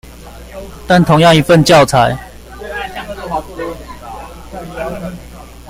但同樣一份教材